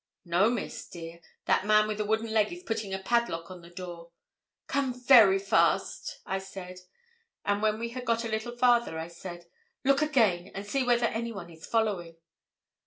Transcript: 'No, Miss, dear. That man with the wooden leg is putting a padlock on the door.' 'Come very fast,' I said; and when we had got a little farther, I said, 'Look again, and see whether anyone is following.'